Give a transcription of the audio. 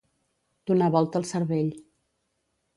Donar volta al cervell.